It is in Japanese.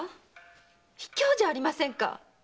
⁉卑怯じゃありませんか！